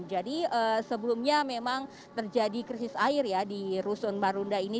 jadi sebelumnya memang terjadi krisis air ya di rusun marunda ini